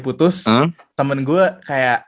putus temen gue kayak